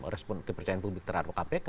respon kepercayaan publik terhadap kpk